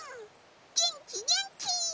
げんきげんき！